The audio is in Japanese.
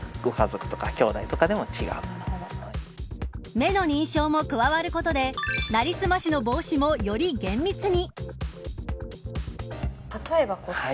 目の認証も加わることでなりすましの防止もより厳密に。